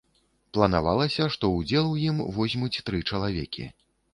Планавалася, што ўдзел у ім возьмуць тры чалавекі.